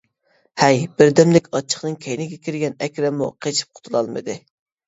ھەي، بىردەملىك ئاچچىقنىڭ كەينىگە كىرگەن ئەكرەممۇ قېچىپ قۇتۇلالمىدى.